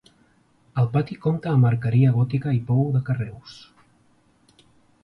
El pati compta amb arqueria gòtica i pou de carreus.